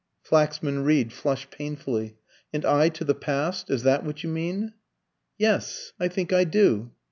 Flaxman Reed flushed painfully. "And I to the past is that what you mean?" "Yes, I think I do."